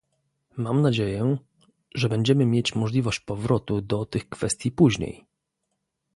Mam nadzieję, że będziemy mieć możliwość powrotu do tych kwestii później